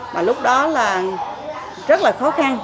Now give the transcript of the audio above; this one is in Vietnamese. mà lúc đó là rất là khó khăn